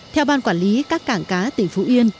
theo ban quản lý các cảng cá tỉnh phú yên